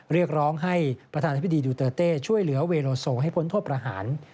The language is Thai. เรียกร้องให้ประธานาธิบดีดูเตอร์เต้ช่วยเหลือเวโลโซให้พ้นโทษประหาร